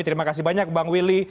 terima kasih banyak bang willy